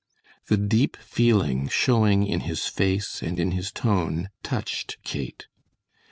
The deep feeling showing in his face and in his tone touched Kate.